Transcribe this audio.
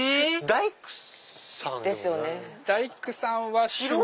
大工さんは趣味。